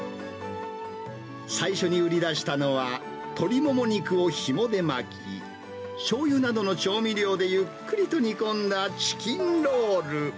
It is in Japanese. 最初に売り出したのは、鶏モモ肉をひもで巻き、しょうゆなどの調味料でゆっくりと煮込んだチキンロール。